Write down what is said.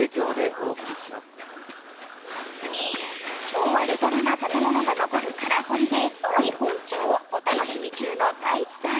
［昭和レトロな建物が残る空堀で日本茶をお楽しみ中の太一さん］